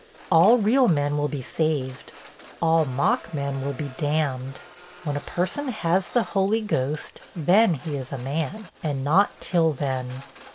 'All real men will be saved; all mock men will be damned. When a person has the Holy Ghost, then he is a man, and not till then.